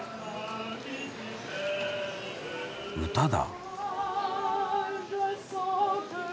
・・歌だ。